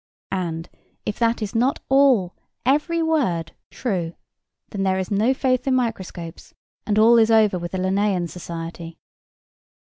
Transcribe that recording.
And, if that is not all, every word, true, then there is no faith in microscopes, and all is over with the Linnæan Society.